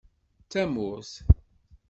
D tamurt.